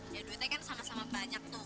ya duitnya kan sama sama banyak tuh